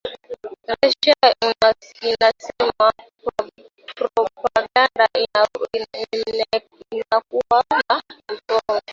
Ressa anasema propaganda inakuwa na mchango